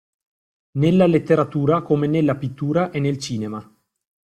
Nella letteratura come nella pittura e nel cinema.